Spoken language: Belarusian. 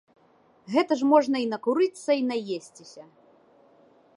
Гэта ж можна й накурыцца, й наесціся.